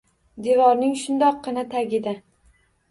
Devorning shundoqqina tagida